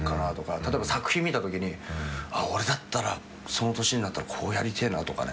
例えば作品見たときに俺だったらその年になったらこうやりてえなとかね。